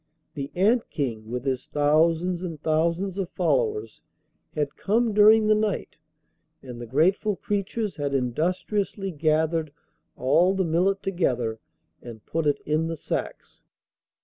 The Ant King, with his thousands and thousands of followers, had come during the night, and the grateful creatures had industriously gathered all the millet together and put it in the sacks.